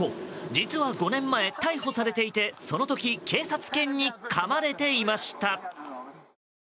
実は５年前、逮捕されていてその時警察犬にかまれていました。